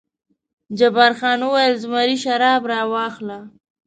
جبار خان وویل: زمري شراب راواخله.